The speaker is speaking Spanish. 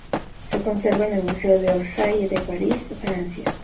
Se conserva en el Museo de Orsay de París, Francia.